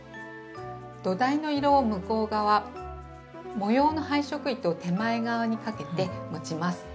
土台の色を向こう側模様の配色糸を手前側にかけて持ちます。